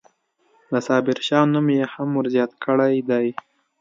د صابرشاه نوم یې هم ورزیات کړی دی.